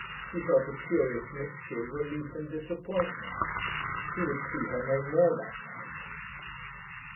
He felt a curious mixture of relief and disappointment. He would see her no more that night.